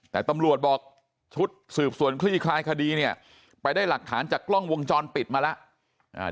แต่ตำรวจบอกชุดสืบสวนคลี่คลายคดีเนี่ยไปได้หลักฐานจากกล้องวงจรปิดมาแล้ว